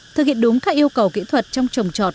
thực hiện đúng các yêu cầu kỹ thuật trong trồng trọt